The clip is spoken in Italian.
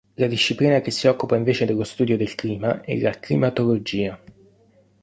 La disciplina che si occupa invece dello studio del clima è la climatologia.